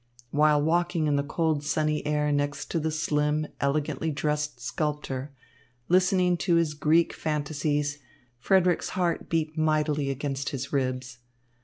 While walking in the cold sunny air next to the slim, elegantly dressed sculptor, listening to his Greek fantasies, Frederick's heart beat mightily against his ribs.